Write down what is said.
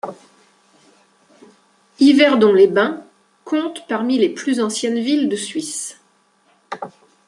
Yverdon-les-Bains compte parmi les plus anciennes villes de Suisse.